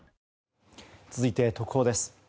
続いて特報です。